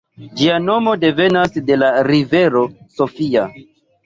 Ĝia nomo devenas de la rivero Sofia.